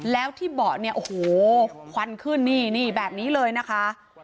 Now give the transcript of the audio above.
แล้วที่เบาะเนี่ยโอ้โหควันขึ้นนี่นี่แบบนี้เลยนะคะ